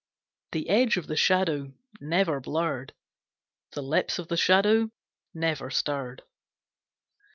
The edge of the Shadow never blurred. The lips of the Shadow never stirred.